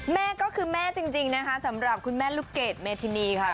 แม่ก็คือแม่จริงนะคะสำหรับคุณแม่ลูกเกดเมธินีค่ะ